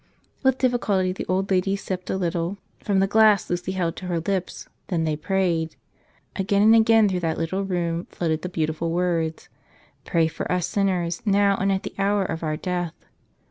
With difficulty the old lady sipped a little from the 101 "Tell Us A nother!" S glass Lucy held to her lips. Then they prayed. Again and again through that little room floated the beautiful words, "Pray for us sinners, now and at the hour of our death."